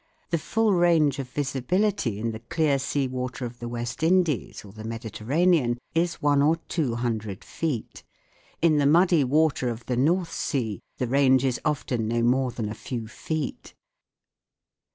The full range of visibility in the clear sea water of the West Indies or the Mediterranean is one or two hundred feet ; in the muddy water of the North Sea the range is often no more than a few feet.